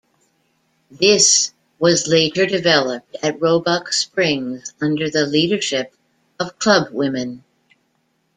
This was later developed at Roebuck Springs under the leadership of club women.